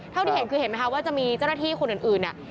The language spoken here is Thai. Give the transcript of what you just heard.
เท่าที่เห็นคือเห็นไหมคะว่าจะมีเจ้าหน้าที่คนอื่นเนี่ย